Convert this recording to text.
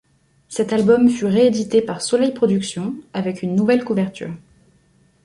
Cet album fut réédité par Soleil Productions avec une nouvelle couverture.